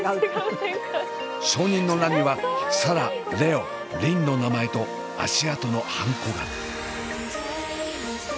証人の欄には紗蘭蓮音梨鈴の名前と足跡のハンコが。